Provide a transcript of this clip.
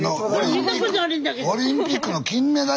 見たことあるんだけど。